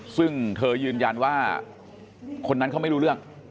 ซึ่งเธอยืนยันว่าคนนั้นเขาไม่รู้เรื่อง